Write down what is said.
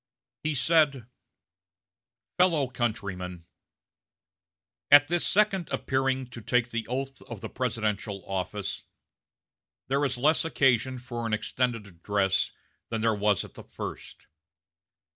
He said: "FELLOW COUNTRYMEN: At this second appearing to take the oath of the presidential office, there is less occasion for an extended address than there was at the first.